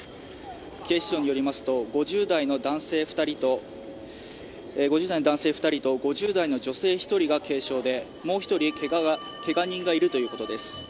警視庁によりますと５０代の男性２人と５０代の女性１人が軽傷でもう１人けが人がいるということです。